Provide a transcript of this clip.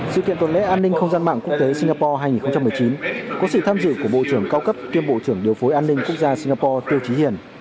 sự kiện tuần lễ an ninh không gian mạng quốc tế singapore hai nghìn một mươi chín có sự tham dự của bộ trưởng cao cấp kiêm bộ trưởng điều phối an ninh quốc gia singapore tiêu trí hiền